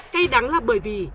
cay đắng là bởi vì